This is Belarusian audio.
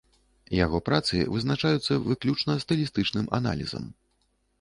Яго працы вызначаюцца выключна стылістычным аналізам.